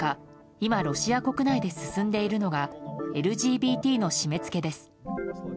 今、ロシア国内で進んでいるのがＬＧＢＴの締め付けです。